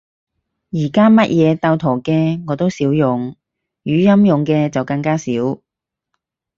而家乜嘢鬥圖嘅，我都少用，語音用嘅就更加少